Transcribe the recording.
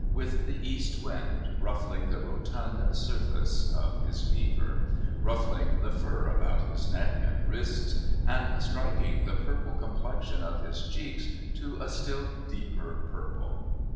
with the east wind ruffling the rotund surface of his beaver, ruffling the fur about his neck and wrists, and striking the purple complexion of his cheeks to a still deeper purple.